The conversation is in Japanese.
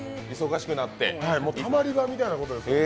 たまり場みたいなことですよ。